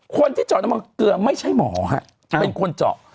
คนที่เจาะน้ำมันเกลือไม่ใช่หมอฮะเป็นคนเจาะ